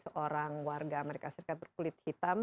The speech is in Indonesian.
seorang warga amerika serikat berkulit hitam